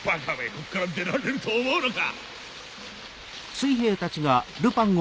ここから出られると思うのか！